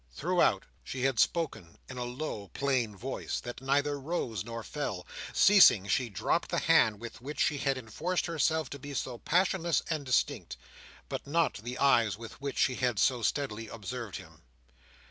Throughout she had spoken in a low plain voice, that neither rose nor fell; ceasing, she dropped the hand with which she had enforced herself to be so passionless and distinct, but not the eyes with which she had so steadily observed him.